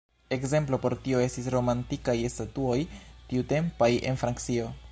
Ekzemplo por tio estis romanikaj statuoj tiutempaj en Francio.